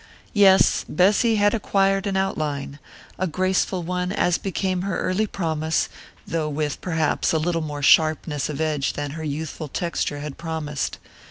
Yes Bessy had acquired an outline: a graceful one, as became her early promise, though with, perhaps, a little more sharpness of edge than her youthful texture had promised.